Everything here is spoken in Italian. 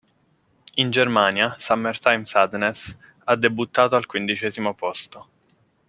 In Germania, "Summertime Sadness" ha debuttato al quindicesimo posto.